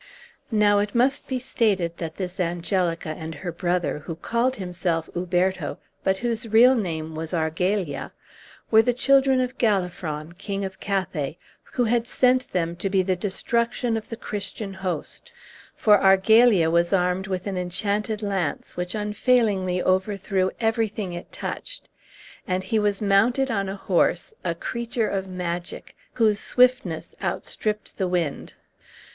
Now it must be stated that this Angelica and her brother, who called himself Uberto, but whose real name was Argalia, were the children of Galafron, king of Cathay, who had sent them to be the destruction of the Christian host; for Argalia was armed with an enchanted lance, which unfailingly overthrew everything it touched, and he was mounted on a horse, a creature of magic, whose swiftness outstripped the wind.